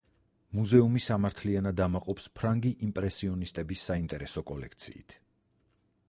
მუზეუმი სამართლიანად ამაყობს ფრანგი იმპრესიონისტების საინტერესო კოლექციით.